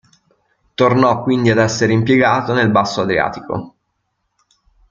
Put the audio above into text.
Tornò quindi ad essere impiegato nel Basso Adriatico.